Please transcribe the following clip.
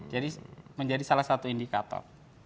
jadi menjadi salah satu indikator